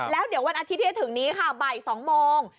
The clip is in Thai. แล้วเดี๋ยววันอาทิตย์ที่จะถึงนี้ค่ะบ่าย๒โมง